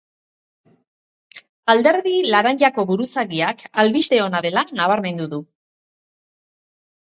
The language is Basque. Alderdi laranjako buruzagiak albiste ona dela nabarmendu du.